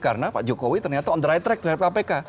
karena pak jokowi ternyata on the right track terhadap kpk